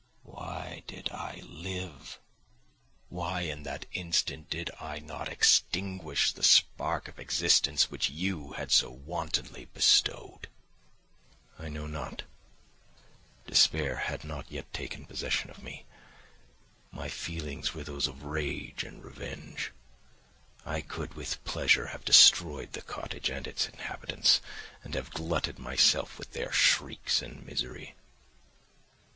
Why did I live? Why, in that instant, did I not extinguish the spark of existence which you had so wantonly bestowed? I know not; despair had not yet taken possession of me; my feelings were those of rage and revenge. I could with pleasure have destroyed the cottage and its inhabitants and have glutted myself with their shrieks and misery.